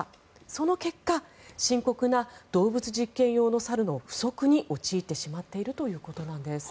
その結果、深刻な動物実験用の猿の不足に陥ってしまっているということなんです。